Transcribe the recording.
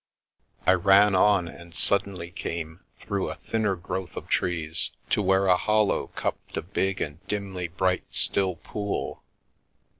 I ran on and suddenly came, through a thinner growth of trees, to where a hollow cupped a big and dimly bright still pool.